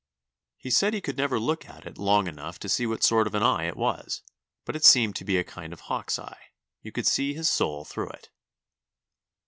He said he could never look at it long enough to see what sort of an eye it was; but it seemed to be a kind of hawk's eye. You could see his soul through it."